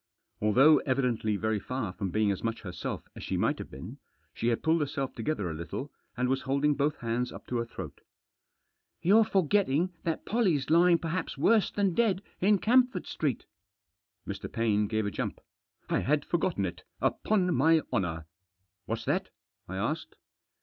Although evidently very far from being as much herself as she might have been, she had pulled herself to gether a little, and was holding both hands up to her throat. Digitized by DISCUSSION BETWEEN THE SEVERAL PARTIES. 297 " You're forgetting that Pollie's lying perhaps worse than dead in Camford Street." Mr. Paine gave a jump. " I had forgotten it !— upon my honour !" "What's that?" I asked.